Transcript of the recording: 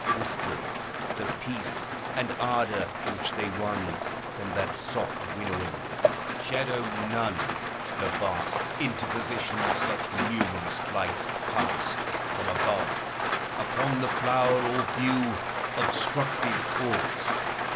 Whispered the peace and ardor, which they won From that soft winnowing. Shadow none, the vast Interposition of such numerous flight Cast, from above, upon the flower, or view 440 THE HIGHER LIFE. Obstructed aught.